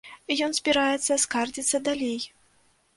Ён збіраецца скардзіцца далей.